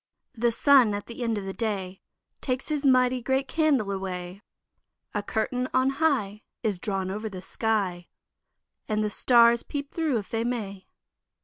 The sun at the end of the day Takes his mighty great candle away; A curtain on high Is drawn over the sky, And the stars peep thro' if they may.